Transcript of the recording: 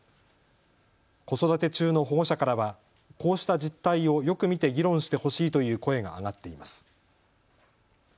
子育て中の保護者からはこうした実態をよく見て議論してほしいという声が上がっています。